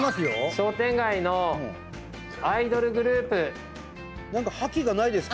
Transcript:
商店街のアイドルグループ。